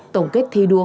tổng kết thi đua